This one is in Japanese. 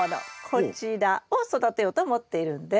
こちらを育てようと思っているんです。